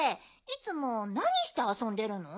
いつもなにしてあそんでるの？